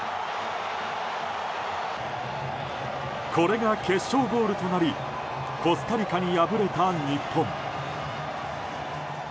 これが決勝ゴールとなりコスタリカに敗れた日本。